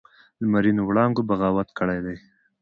لمرینو وړانګو بغاوت کړی دی